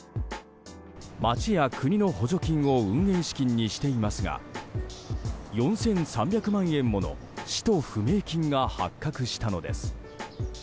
町や国の補助金を運営資金にしていますが４３００万円もの使途不明金が発覚したのです。